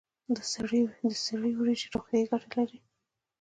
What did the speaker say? د سرې وریجې روغتیایی ګټې لري.